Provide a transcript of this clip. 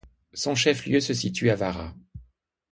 Son chef-lieu se situe à Vara.